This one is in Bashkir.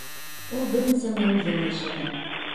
Ул бер нисә мең йыл йәшәгән.